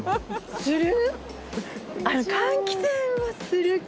する？